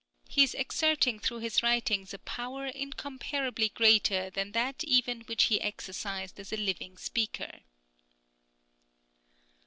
He is exerting through his writings a power incomparably greater than that even which he exercised as a living speaker.